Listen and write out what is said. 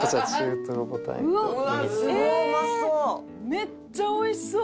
めっちゃ美味しそう！